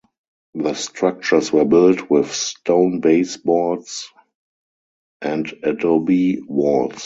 The structures were built with stone baseboards and adobe walls.